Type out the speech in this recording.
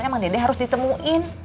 emang dede harus ditemuin